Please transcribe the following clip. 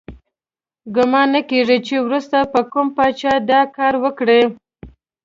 ګمان نه کیږي چې وروسته به کوم پاچا دا کار وکړي.